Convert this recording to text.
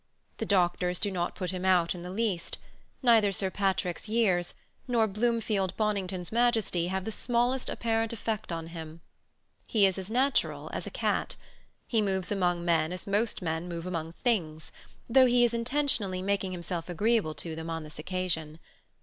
The doctors do not put him out in the least: neither Sir Patrick's years nor Bloomfield Bonington's majesty have the smallest apparent effect on him: he is as natural as a cat: he moves among men as most men move among things, though he is intentionally making himself agreeable to them on this occasion.